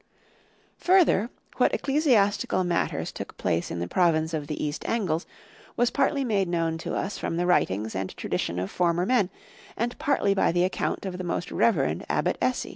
(16) Further, what ecclesiastical matters took place in the province of the East Angles, was partly made known to us from the writings and tradition of former men, and partly by the account of the most reverend Abbot Esi.